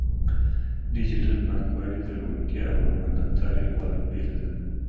ډیجیټل بانکوالي د روڼتیا او امانتدارۍ غوره بیلګه ده.